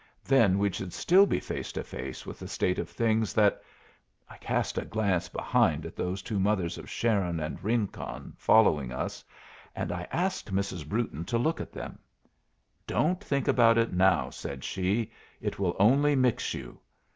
Then we should still be face to face with a state of things that I cast a glance behind at those two mothers of Sharon and Rincon following us, and I asked Mrs. Brewton to look at them. "Don't think about it now," said she, "it will only mix you.